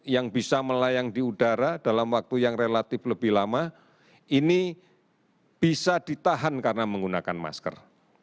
yang bisa melayang di udara dalam waktu yang relatif lebih lama ini bisa ditahan karena menggunakan masker